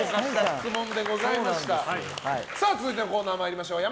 続いてのコーナー参りましょう。